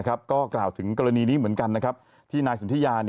ก็กล่าวถึงกรณีนี้เหมือนกันที่นายสนทิยา